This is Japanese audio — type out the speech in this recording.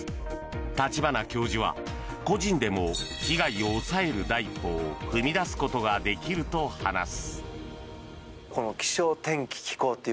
立花教授は個人でも被害を抑える第一歩を踏み出すことができると話す。